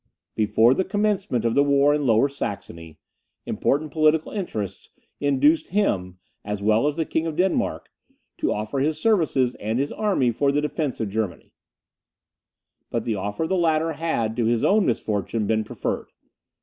Before the commencement of the war in Lower Saxony, important political interests induced him, as well as the King of Denmark, to offer his services and his army for the defence of Germany; but the offer of the latter had, to his own misfortune, been preferred.